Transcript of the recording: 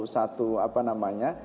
satu apa namanya